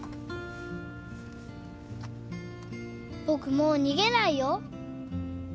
僕もう逃げないよ。